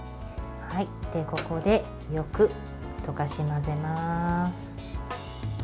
ここでよく溶かし混ぜます。